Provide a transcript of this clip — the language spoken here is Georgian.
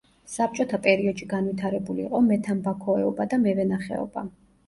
საბჭოთა პერიოდში განვითარებული იყო მეთამბაქოეობა და მევენახეობა.